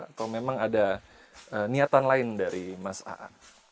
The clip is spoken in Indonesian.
atau memang ada niatan lain dari mas aa